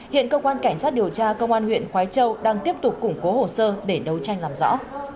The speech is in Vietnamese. hiện cơ quan cảnh sát điều tra công an huyện khói châu đang tiếp tục củng cố hồ sơ để đấu tranh làm rõ